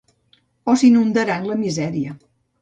O s'inundarà en la misèria.